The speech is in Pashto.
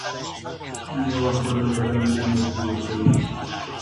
مېوه خوړل بدن ته انرژي ورکوي.